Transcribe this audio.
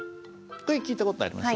これ聞いた事あります？